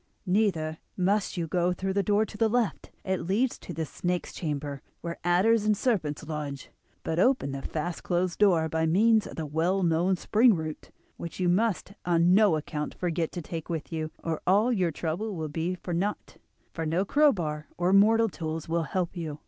Neither must you go through the door to the left, it leads to the snake's chamber, where adders and serpents lodge; but open the fast closed door by means of the well known spring root, which you must on no account forget to take with you, or all your trouble will be for naught, for no crowbar or mortal tools will help you.